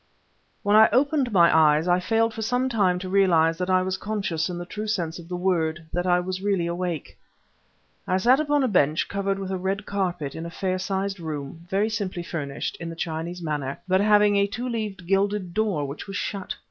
When I opened my eyes I failed for some time to realize that I was conscious in the true sense of the word, that I was really awake. I sat upon a bench covered with a red carpet, in a fair sized room, very simply furnished, in the Chinese manner, but having a two leaved, gilded door, which was shut.